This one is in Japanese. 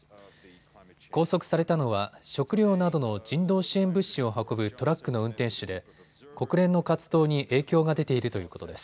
拘束されたのは食料などの人道支援物資を運ぶトラックの運転手で国連の活動に影響が出ているということです。